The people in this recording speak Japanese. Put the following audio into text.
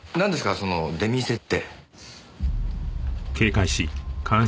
その出店って。